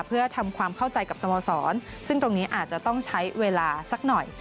เพื่อทำความเข้าใจกับสโมสรซึ่งตรงนี้อาจจะต้องใช้เวลาสักหน่อย